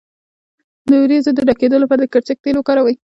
د وروځو د ډکیدو لپاره د کرچک تېل وکاروئ